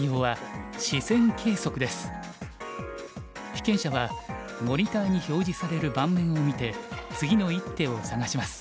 被験者はモニターに表示される盤面を見て次の一手を探します。